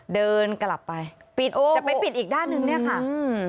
เดินกลับไปปิดโอ้จะไปปิดอีกด้านหนึ่งเนี่ยค่ะอืม